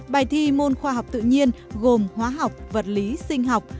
bài thi môn khoa học tự nhiên gồm hóa học vật lý sinh học